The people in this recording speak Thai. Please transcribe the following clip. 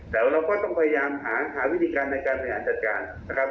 แต่เราก็ต้องพยายามหาวิธีการในการบริหารจัดการนะครับ